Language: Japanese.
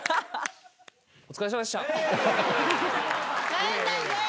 「帰んないで！」